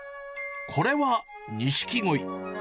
これはニシキゴイ。